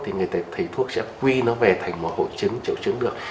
thì người thầy thuốc sẽ quy nó về thành một hội chứng triệu chứng được